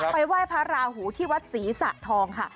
ไปไหว้พระราหูที่วัดศรีสะทองค่ะ